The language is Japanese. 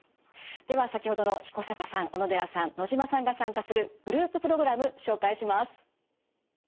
では先ほどの彦坂さん小野寺さん野島さんが参加するグループプログラム紹介します。